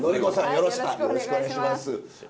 よろしくお願いします。